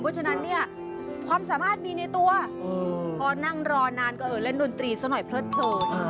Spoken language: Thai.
เพราะฉะนั้นเนี่ยความสามารถมีในตัวพอนั่งรอนานก็เออเล่นดนตรีซะหน่อยเพลิด